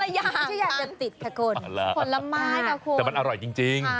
ไม่ใช่อย่างจะติดแค่คนคนละม้ายแต่มันอร่อยจริงจริง